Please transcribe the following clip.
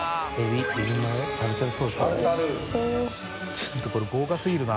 ちょっとこれ豪華すぎるな。